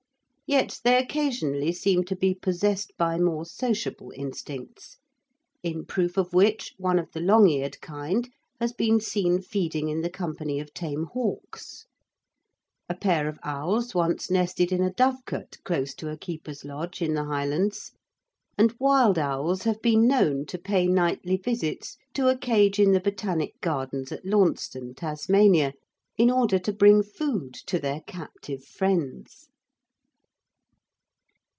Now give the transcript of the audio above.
Yet they occasionally seem to be possessed by more sociable instincts, in proof of which one of the long eared kind has been seen feeding in the company of tame hawks; a pair of owls once nested in a dovecote close to a keeper's lodge in the Highlands; and wild owls have been known to pay nightly visits to a cage in the Botanic Gardens at Launceston (Tasmania), in order to bring food to their captive friends.